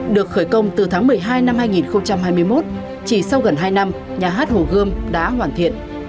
được khởi công từ tháng một mươi hai năm hai nghìn hai mươi một chỉ sau gần hai năm nhà hát hồ gươm đã hoàn thiện